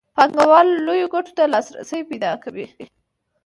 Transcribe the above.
پانګوال لویو ګټو ته لاسرسی پیدا کوي